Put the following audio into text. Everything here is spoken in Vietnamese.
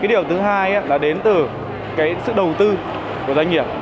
cái điều thứ hai là đến từ cái sự đầu tư của doanh nghiệp